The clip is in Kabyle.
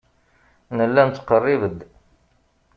Nella nettqerrib-d.